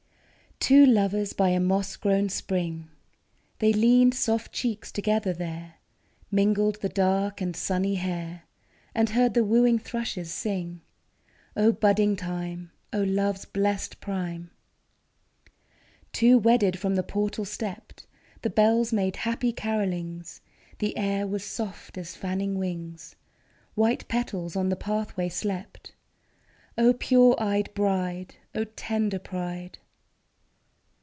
TWO lovers by a moss grown spring: They leaned soft cheeks together there, Mingled the dark and sunny hair, And heard the wooing thrushes sing. O budding time ! O love's blest prime ! Two wedded from the portal stept: The bells made happy carollings, The air was soft as fanning wings, White petals on the pathway slept. O pure eyed bride! O tender pride